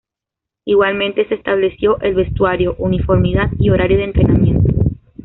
Igualmente se estableció el vestuario, uniformidad y horario de entrenamiento.